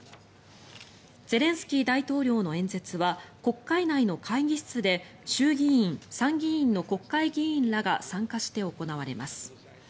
ゼレンスキー大統領の演説は国会内の会議室で衆議院、参議院の国会議員らが参加して行われます。